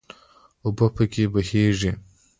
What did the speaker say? اوبه پکې بهیږي.